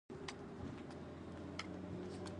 له ظلم نه ځان وساته، که څه هم وړوکی وي.